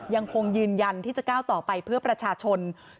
ยังคงยืนยันที่จะก้าวต่อไปเพื่อประชาชน